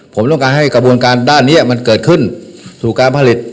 ผมต้องการให้กระบวนการด้านนี้มันเกิดขึ้นสู่การผลิต